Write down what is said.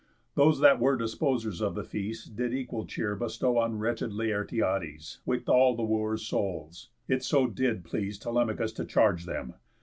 Those that were Disposers of the feast did equal cheer Bestow on wretched Laertiades, With all the Wooers' souls; it so did please Telemachus to charge them.